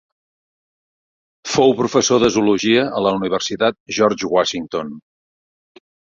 Fou professor de zoologia a la Universitat George Washington.